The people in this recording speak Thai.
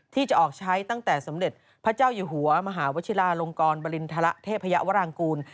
ที่จะออกใช้ตั้งแต่สมเด็จพระเจ้าอยู่หัวมหาวชิลาลงกรบริณฑระเทพยาวรางกูล